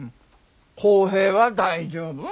耕平は大丈夫。